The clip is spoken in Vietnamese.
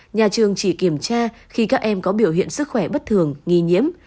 nhà trường chỉ kiểm tra khi các em có biểu hiện sức khỏe bất thường nghi nhiễm